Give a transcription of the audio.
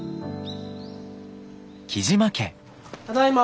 ただいま。